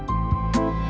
dan terburu buru kulitnya